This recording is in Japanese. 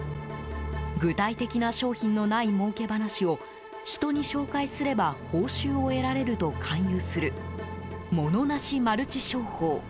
具体的な商品のないもうけ話を人に紹介すれば報酬を得られると勧誘するモノなしマルチ商法。